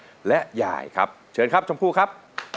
ยายและยายครับเชิญครับชมพู่ครับ